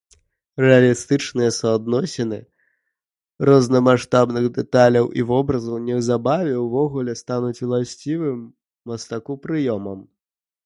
Рэалістычныя суадносіны рознамаштабных дэталяў і вобразаў неўзабаве ўвогуле стануць уласцівым мастаку прыёмам.